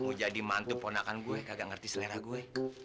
mau jadi mantu ponakan gue kagak ngerti selera gue